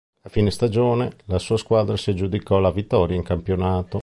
A fine stagione, la sua squadra si aggiudicò la vittoria in campionato.